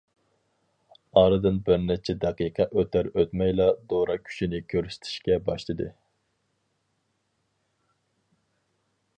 ئارىدىن بىر نەچچە دەقىقە ئۆتەر- ئۆتمەيلا دورا كۈچىنى كۆرسىتىشكە باشلىدى.